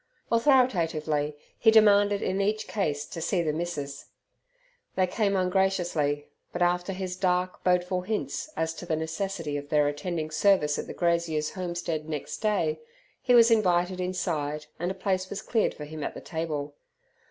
Authoritatively he demanded in each case to see the missus. They came ungraciously, but after his dark, bodeful hints as to the necessity of their attending service at the grazier's homestead next day, he was invited inside and a place was cleared for him at the table.